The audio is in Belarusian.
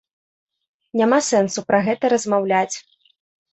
Няма сэнсу пра гэта размаўляць.